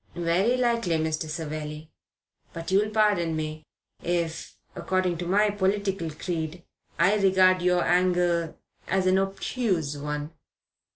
"Very likely, Mr. Savelli; but you'll pardon me if, according to my political creed, I regard your angle as an obtuse one."